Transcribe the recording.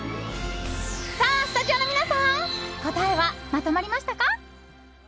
さあ、スタジオの皆さん答えはまとまりましたか？